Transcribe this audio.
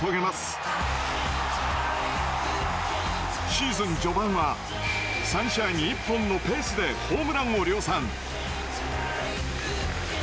シーズン序盤は３試合に１本のペースでホームランを量産。